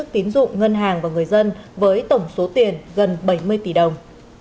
tổ chức tín dụng ngân hàng và người dân với tổng số tiền gần bảy mươi tỷ đồng